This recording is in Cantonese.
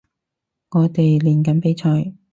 我哋練緊比賽